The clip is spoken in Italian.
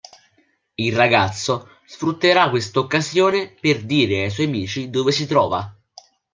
Il ragazzo sfrutterà quest’occasione per dire ai suoi amici dove si trova.